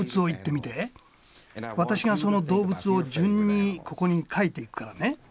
私がその動物を順にここに描いていくからね。